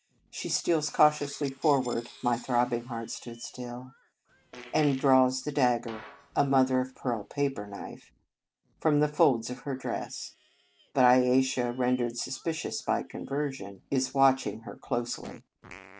She steals cautiously forward (my throbbing heart stood still), and draws the dagger a mother of pearl paper knife from the folds of her dress. But Ayesha, rendered suspicious by conversion, is watching her closely.